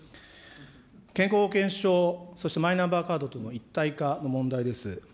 健康保険証、そしてマイナンバーカードとの一体化の問題です。